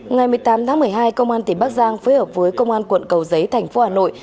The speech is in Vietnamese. ngày một mươi tám tháng một mươi hai công an tỉnh bắc giang phối hợp với công an quận cầu giấy thành phố hà nội